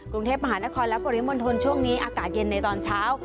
กรุงเทพมหานครและปริมณฑลช่วงนี้อากาศเย็นในตอนเช้า